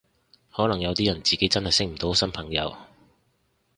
可能有啲人自己真係識唔到新朋友